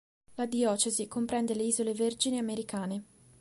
La diocesi comprende le Isole Vergini americane.